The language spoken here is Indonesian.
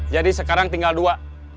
jadi sekarang tinggal dua